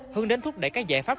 hướng đến thúc đẩy các giải pháp